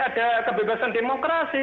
ada kebebasan demokrasi